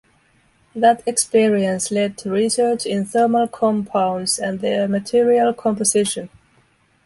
That experience led to research in thermal compounds, and their material composition.